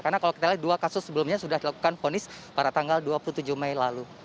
karena kalau kita lihat dua kasus sebelumnya sudah dilakukan ponis pada tanggal dua puluh tujuh mei lalu